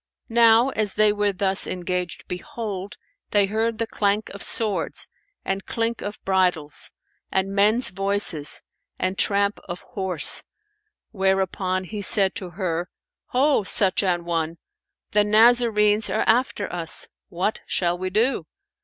Now as they were thus engaged behold, they heard the clank of swords and clink of bridles and men's voices and tramp of horse; whereupon he said to her, "Ho, such an one, the Nazarenes are after us! What shall we do?